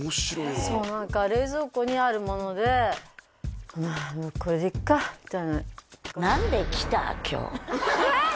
そう何か冷蔵庫にあるものでまあこれでいっかみたいなえっ！